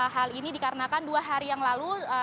hal ini dikarenakan dua hari yang lalu